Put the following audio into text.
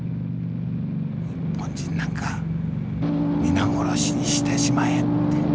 日本人なんか皆殺しにしてしまえって」。